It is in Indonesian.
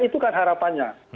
itu kan harapannya